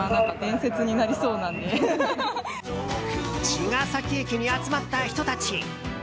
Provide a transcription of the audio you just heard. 茅ケ崎駅に集まった人たち。